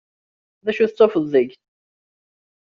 D acu tettafeḍ deg-s.